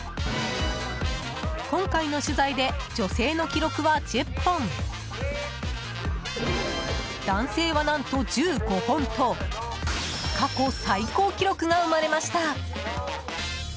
今回の取材で女性の記録は１０本男性は何と１５本と過去最高記録が生まれました。